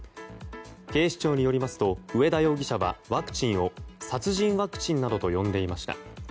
警視庁によりますと上田容疑者はワクチンを殺人ワクチンなどと呼んでいました。